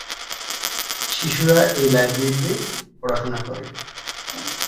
শিশুরা এ লাইব্রেরিতে পড়াশুনা করে।